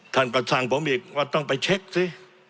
ท่านก็สั่งผมอีกว่าต้องไปเช็คสิ